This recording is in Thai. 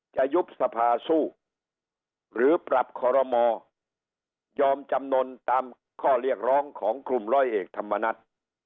ยุบสภาสู้หรือปรับคอรมอยอมจำนวนตามข้อเรียกร้องของกลุ่มร้อยเอกธรรมนัฐ